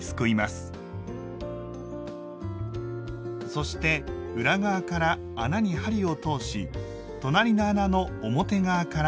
そして裏側から穴に針を通し隣の穴の表側から針を入れます。